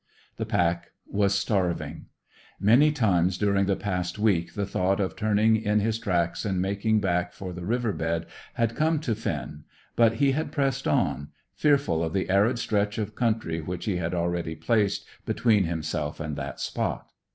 The pack was starving. Many times during the past week the thought of turning in his tracks and making back for the river bed had come to Finn, but he had pressed on, fearful of the arid stretch of country which he had already placed between himself and that spot.